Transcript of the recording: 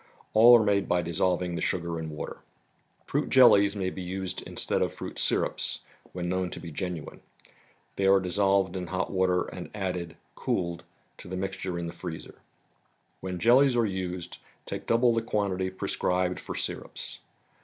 All are made by dissolving the sugar in water. Fruit jellies may be used instead of fruit syrups, when known to be genuine. They are dissolved in hot water, and added, cooled, to the mixture in the freezer. When jellies are used take double the quantity prescribed for syrups.